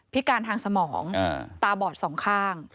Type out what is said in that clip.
พิการทางสมองตาบอดสองข้าง